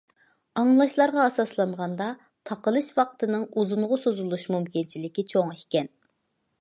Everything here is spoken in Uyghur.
ئاڭلاشلارغا ئاساسلانغاندا، تاقىلىش ۋاقتىنىڭ ئۇزۇنغا سوزۇلۇش مۇمكىنچىلىكى چوڭ ئىكەن.